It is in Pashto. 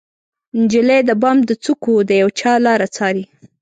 نجلۍ د بام د څوکو د یوچا لاره څارې